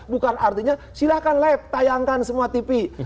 bukan artinya silahkan live tayangkan semua tidur